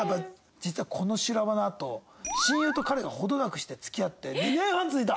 実はこの修羅場のあと親友と彼が程なくして付き合って２年半続いた！